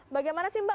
bagaimana sih mbak